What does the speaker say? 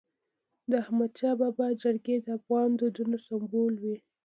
د احمدشاه بابا جرګي د افغان دودونو سمبول وي.